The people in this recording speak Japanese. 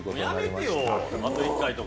やめてよ、あと１回とか。